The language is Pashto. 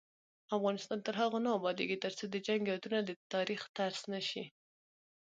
افغانستان تر هغو نه ابادیږي، ترڅو د جنګ یادونه د تاریخ درس نشي.